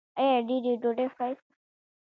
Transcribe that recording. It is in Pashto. ایا ډیرې ډوډۍ خورئ؟